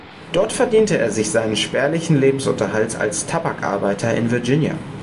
Dort verdiente er sich seinen spärlichen Lebensunterhalt als Tabakarbeiter in Virginia.